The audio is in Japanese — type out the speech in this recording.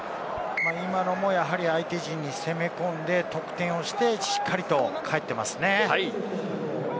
今のも相手陣に攻め込んで得点して、しっかりと帰っていますね。